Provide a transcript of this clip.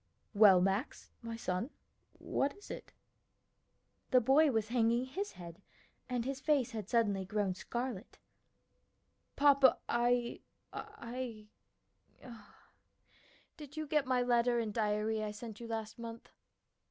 "Well, Max, my son, what is it?" The boy was hanging his head and his face had suddenly grown scarlet, "Papa, I I Did you get my letter and diary I sent you last month?"